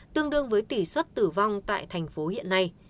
tương đương với tỷ suất tử vong tại tp hcm